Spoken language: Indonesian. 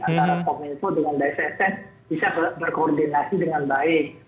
antara kominfo dengan bssn bisa berkoordinasi dengan baik